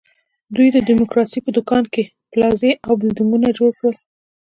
دوی د ډیموکراسۍ په دوکان کې پلازې او بلډینګونه جوړ کړل.